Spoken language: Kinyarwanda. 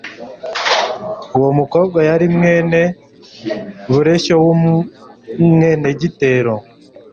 Uwo mukobwa yari mwene Bureshyo w'Umwenegitore